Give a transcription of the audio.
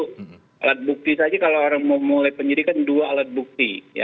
jadi alat bukti saja kalau orang memulai penyidikan dua alat bukti